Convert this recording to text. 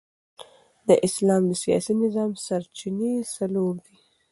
د اسلام د سیاسي نظام سرچینې څلور دي.